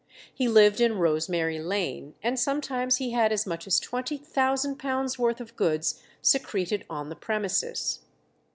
He lived in Rosemary Lane, and sometimes he had as much as £20,000 worth of goods secreted on the premises.